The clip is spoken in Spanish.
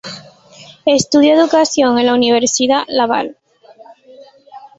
Estudió Educación en la Universidad Laval.